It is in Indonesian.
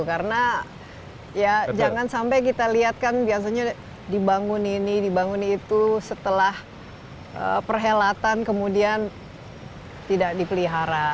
karena ya jangan sampai kita lihatkan biasanya dibangun ini dibangun itu setelah perhelatan kemudian tidak dipelihara